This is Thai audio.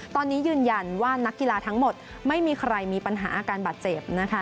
ตอนนี้ยืนยันว่านักกีฬาทั้งหมดไม่มีใครมีปัญหาอาการบาดเจ็บนะคะ